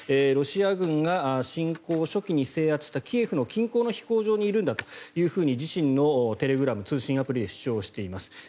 ロシア軍が侵攻初期に制圧したキエフの近郊の飛行場にいるんだと自身のテレグラム通信アプリで主張しています。